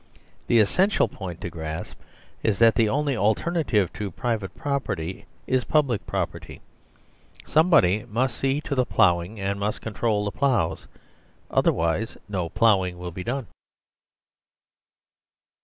The essential point to grasp is that the only alternative to private property is public property. Somebody must see to the plough ing and must control the ploughs; otherwise no ploughing will be done.